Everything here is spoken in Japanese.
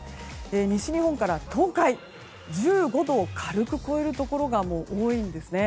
西日本から東海１５度を軽く超えるところが多いんですよね。